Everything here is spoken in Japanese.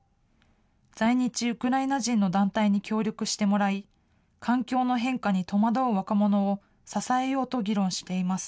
在日ウクライナ人の団体に協力してもらい、環境の変化に戸惑う若者を支えようと議論しています。